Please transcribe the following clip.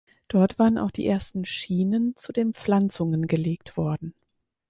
Dort waren auch die ersten Schienen zu den Pflanzungen gelegt worden.